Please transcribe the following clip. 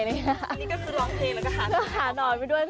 นี่ก็คือร้องเพลงและหานอนไว้ด้วย